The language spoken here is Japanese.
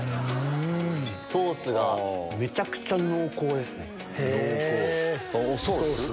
ソースがめちゃくちゃ濃厚ですね。